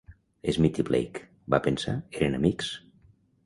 Smith i Blake, va pensar, eren amics.